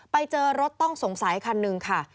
ไปเจอรถต้องสงสัยคันหนึ่งค่ะ